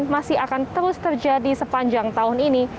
masih akan terus terjadi sepanjang tahun ini